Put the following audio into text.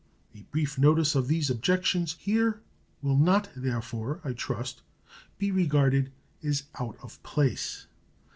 A brief notice of these objections here will not, therefore, I trust, be regarded as out of place.